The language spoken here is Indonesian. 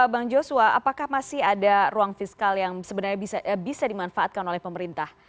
bang joshua apakah masih ada ruang fiskal yang sebenarnya bisa dimanfaatkan oleh pemerintah